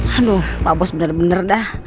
aduh pak bos bener bener dah